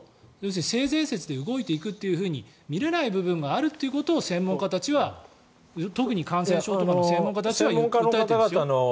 性善説で動いていくと見れない部分があるということを専門家たちは特に感染症とかの専門家たちは訴えてるんですよ。